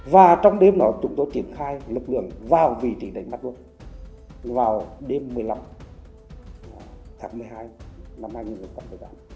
và trong đêm đó chúng tôi tiến khai lực lượng vào vị trí đẩy mắt quân vào đêm một mươi năm tháng một mươi hai năm hai nghìn một mươi tám